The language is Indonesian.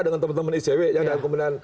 dengan teman teman icw yang dalam kebenaran